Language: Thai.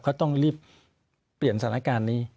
เขาต้องรีบเปลี่ยนสถานการณ์นี้